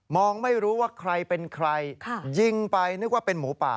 องไม่รู้ว่าใครเป็นใครยิงไปนึกว่าเป็นหมูป่า